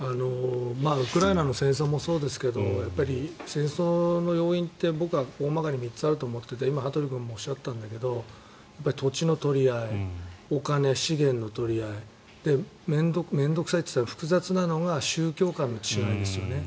ウクライナの戦争もそうですが戦争の要因って僕は大まかに３つあると思っていて今、羽鳥君もおっしゃったんだけど土地の取り合いお金、資源の取り合い面倒臭いと言ったらあれだけど複雑なのが宗教観の違いですよね。